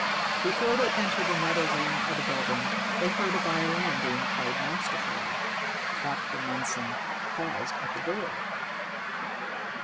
Before they entered another wing of the building, they heard a violin being played masterfully. Dr. Mundson paused at the door.